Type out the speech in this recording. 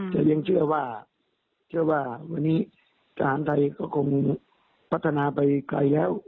แต่ยังเชื่อว่าวันนี้การไทยก็คงพัฒนาไปไกลแล้ว